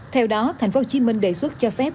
theo đó tp hcm đề xuất cho phép